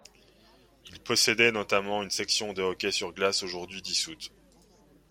Il possédait notamment une section de hockey sur glace aujourd'hui dissoute.